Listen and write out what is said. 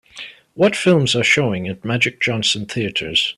What films are showing at Magic Johnson Theatres.